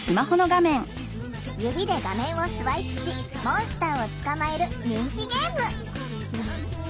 指で画面をスワイプしモンスターを捕まえる人気ゲーム。